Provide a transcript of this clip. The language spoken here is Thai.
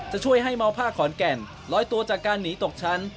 จะช่วยให้เมาผ้าขอนแก่นลอยตัวจากการหนีตกชั้น